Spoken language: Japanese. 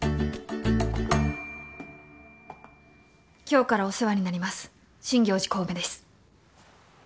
・今日からお世話になります真行寺小梅です。